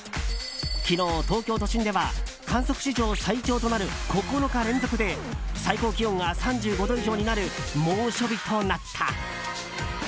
昨日、東京都心では観測史上最長となる９日連続で最高気温が３５度以上になる猛暑日となった。